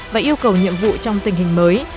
và yêu cầu nhiệm vụ trong tình hình mới